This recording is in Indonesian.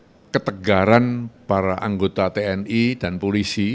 yang tidak tergiur dengan tni dan polisi yang tidak tergiur dengan tni dan polisi